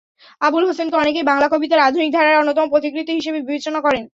আবুল হোসেনকে অনেকেই বাংলা কবিতার আধুনিক ধারার অন্যতম পথিকৃৎ হিসেবে বিবেচনা করেন।